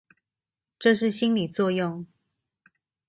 這是心理作用